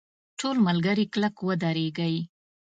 ټول ملګري کلک ودرېږئ!.